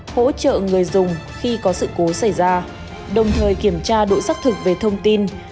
hỗ trợ người dùng khi có sự cố xảy ra đồng thời kiểm tra độ xác thực về thông tin